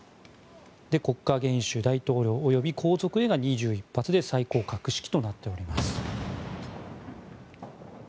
国家元首、大統領及び皇族へが２１発で最高格式となっております。